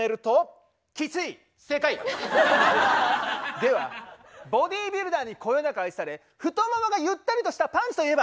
ではボディービルダーにこよなく愛され太ももがゆったりとしたパンツといえば？